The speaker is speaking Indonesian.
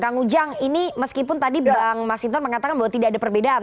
kang ujang ini meskipun tadi bang mas hinton mengatakan bahwa tidak ada perbedaan